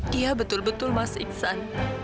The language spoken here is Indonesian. dia betul betul mas iksan